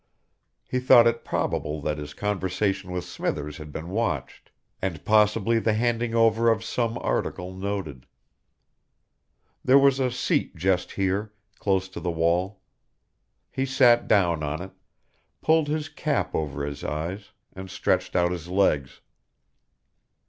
He thought it probable that his conversation with Smithers had been watched, and possibly the handing over of some article noted. There was a seat just here, close to the wall. He sat down on it, pulled his cap over his eyes, and stretched out his legs.